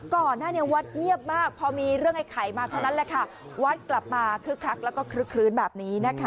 ก่อนหน้านี้วัดเงียบมากพอมีเรื่องไอ้ไข่มาเท่านั้นแหละค่ะวัดกลับมาคึกคักแล้วก็คลึกคลื้นแบบนี้นะคะ